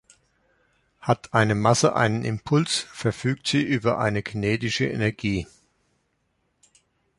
Hat eine Masse einen Impuls, verfügt sie über eine kinetische Energie.